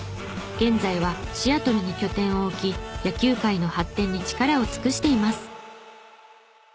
現在はシアトルに拠点を置き野球界の発展に力を尽くしています。